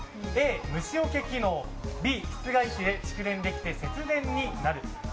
Ａ、虫よけ機能Ｂ、室外機で蓄電できて節電になる。